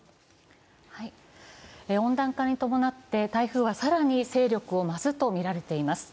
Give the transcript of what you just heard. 温暖化に伴って台風は更に勢力を増すとみられています。